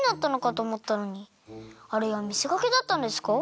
あれはみせかけだったんですか？